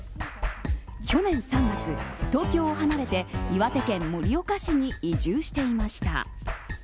去年３月、東京を離れて岩手県盛岡市に移住していました。